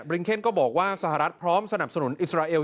ริงเคนก็บอกว่าสหรัฐพร้อมสนับสนุนอิสราเอล